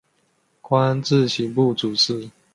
官至刑部主事。